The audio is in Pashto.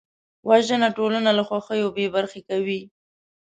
وژنه ټولنه له خوښیو بېبرخې کوي